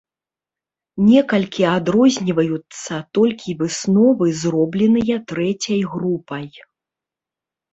Некалькі адрозніваюцца толькі высновы, зробленыя трэцяй групай.